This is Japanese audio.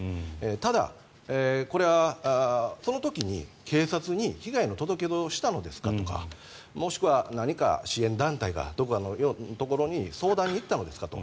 ただ、これはその時に警察に被害の届け出をしたのですかとかもしくは何か支援団体がどこかに相談に行ったのですかと。